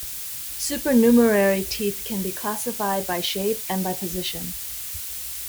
Supernumerary teeth can be classified by shape and by position.